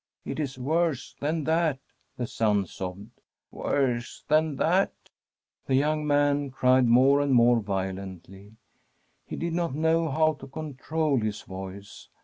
' It is worse than that,' the son sobbed. * Worse than that ?' The young man cried more and more violently ; he did not know how to control his voice.